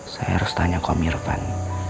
saya harus tanya kok mirvan